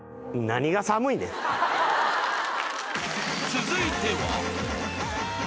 ［続いては］